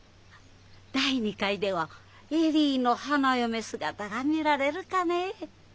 第２回では恵里の花嫁姿が見られるかねえ。